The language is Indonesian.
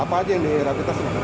apa aja yang di rapid test